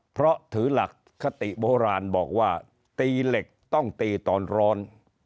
เพราะถือหลักคติโบราณบอกว่าตีเหล็กต้องตีตอนร้อน